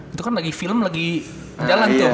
itu kan lagi film lagi jalan tuh